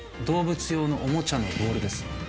動物用のおもちゃのボールです